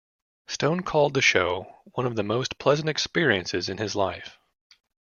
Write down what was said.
Stone called the show one of the most pleasant experiences in his life.